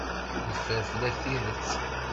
Yeffer fell-ak tidet.